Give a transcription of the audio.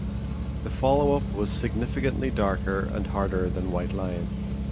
The follow-up was significantly darker and harder than White Lion.